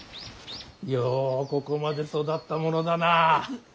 ようここまで育ったものだな。